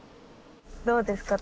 どうですか？